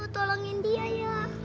tolongin dia ya